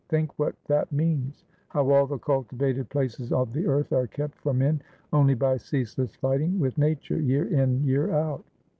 Think what that means; how all the cultivated places of the earth are kept for men only by ceaseless fighting with nature, year in, year out."